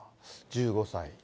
１５歳。